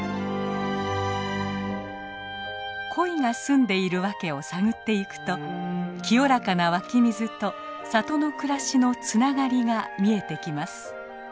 コイが住んでいる訳を探っていくと清らかな湧き水と里の暮らしのつながりが見えてきます。